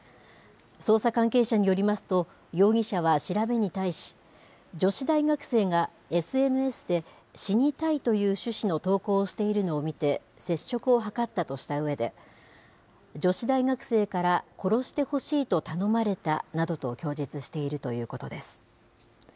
捜査関係者によりますと、容疑者は調べに対し、女子大学生がＳＮＳで死にたいという趣旨の投稿をしているのを見て、接触を図ったとしたうえで、女子大学生から殺してほしいと頼まれたなどと供述しているということです。